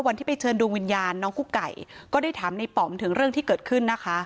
วันที่ไปเชิญดวงวิญญาณน้องกุ๊กไก่ก็ได้ถามในป๋อมถึงเรื่องที่เกิดขึ้นนะคะ